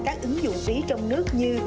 các ứng dụng ví trong nước như